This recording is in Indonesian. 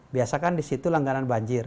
biasakan di situ langganan banjir